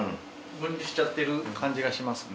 分離しちゃってる感じがしますね。